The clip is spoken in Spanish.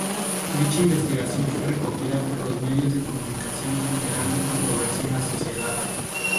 Dicha investigación fue recogida por los medios de comunicación generando controversia en la sociedad.